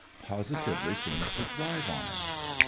Positively seems to thrive on it.